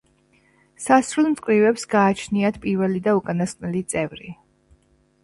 სასრულ მწკრივებს გააჩნიათ პირველი და უკანასკნელი წევრი.